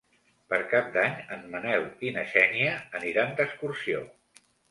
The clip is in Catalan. Per Cap d'Any en Manel i na Xènia aniran d'excursió.